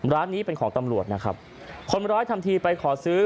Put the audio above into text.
ร้านนี้เป็นของตำรวจนะครับคนร้ายทำทีไปขอซื้อ